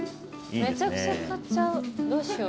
めちゃくちゃ買っちゃうどうしよう。